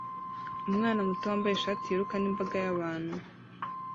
Umwana muto wambaye ishati yiruka n'imbaga y'abantu